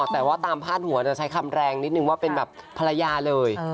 แต่ว่าตามพาดหัวจะใช้คำแรงนิดนึงว่าเป็นแบบภรรยาเลย